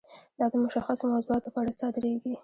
دا د مشخصو موضوعاتو په اړه صادریږي.